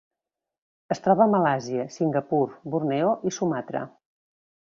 Es troba a Malàisia, Singapur, Borneo i Sumatra.